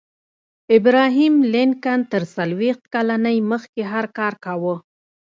ابراهم لينکن تر څلوېښت کلنۍ مخکې هر کار کاوه.